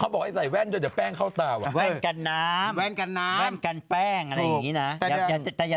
พี่พ้นโหดมากเลยอะ